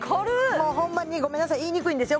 もうホンマにごめんなさい言いにくいんですよ